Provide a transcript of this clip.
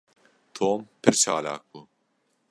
Tom pir çalak bû.